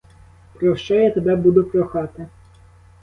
Про що я тебе буду прохати!